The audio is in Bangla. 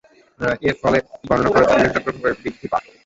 এর ফলে গণনা খরচ উল্লেখযোগ্যভাবে বৃদ্ধি পায়।